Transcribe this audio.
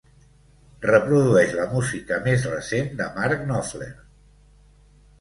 Reprodueix la música més recent de Mark Knopfler.